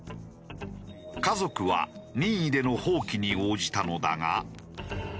家族は任意での放棄に応じたのだが。